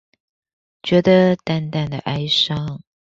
覺得淡淡的哀傷